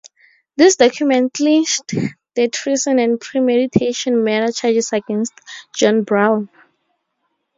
These documents clinched the treason and pre-meditation murder charges against John Brown.